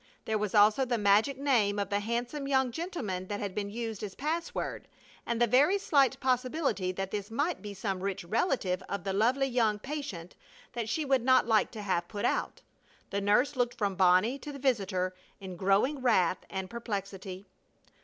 There was also the magic name of the handsome young gentleman that had been used as password, and the very slight possibility that this might be some rich relative of the lovely young patient that she would not like to have put out. The nurse looked from Bonnie to the visitor in growing wrath and perplexity.